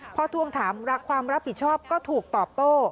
พอทวงถามความรับผิดชอบก็ถูกตอบโต้